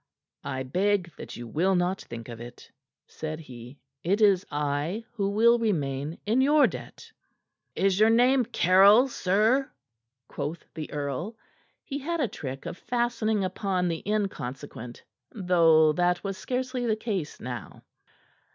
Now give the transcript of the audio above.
"I beg that you will not think of it," said he. "It is I who will remain in your debt." "Is your name Caryll, sir?" quoth the earl. He had a trick of fastening upon the inconsequent, though that was scarcely the case now.